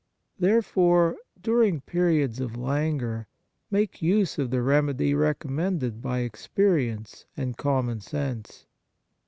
Therefore, during periods of languor make use of the remedy recommended by experience and common sense.